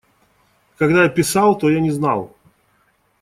Когда я писал, то я не знал.